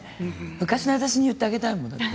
昔の私に言ってあげたいもん。